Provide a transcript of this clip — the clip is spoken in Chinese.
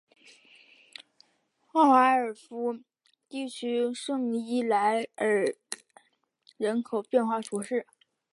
沃埃夫尔地区圣伊莱尔人口变化图示